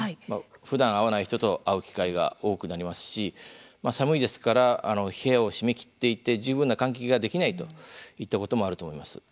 ふだん会わない人と会う機会が多くなりますし、寒いですから部屋を閉め切っていて十分な換気ができないといったこともあると思います。